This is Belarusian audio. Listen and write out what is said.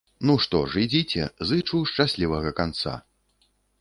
Ну, што ж, ідзіце, зычу шчаслівага канца.